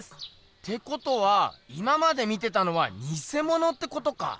ってことは今まで見てたのはにせものってことか？